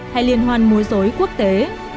hay liên hoan mối rối quốc tế